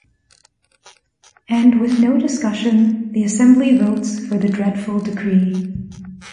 And, with no discussion, the Assembly votes for the dreadful decree.